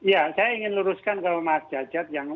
ya saya ingin luruskan kalau mas cacat